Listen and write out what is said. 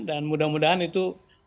dan mudah mudahan itu